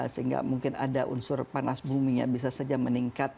sehingga mungkin ada unsur panas buminya bisa saja meningkat